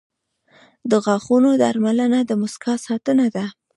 • د غاښونو درملنه د مسکا ساتنه ده.